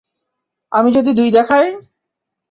আমি যদি দুই দেখাই?